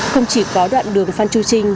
không chỉ có đoạn đường phan chu trinh